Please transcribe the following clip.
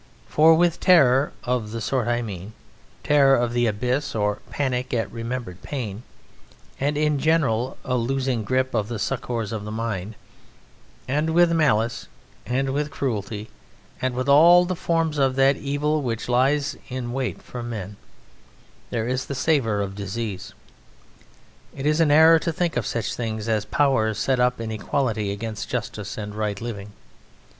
For with terror (of the sort I mean terror of the abyss or panic at remembered pain, and in general, a losing grip of the succours of the mind), and with malice, and with cruelty, and with all the forms of that Evil which lies in wait for men, there is the savour of disease. It is an error to think of such things as power set up in equality against justice and right living.